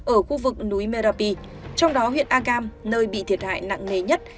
ở khu vực núi merapi trong đó huyện agam nơi bị thiệt hại nặng nề nhất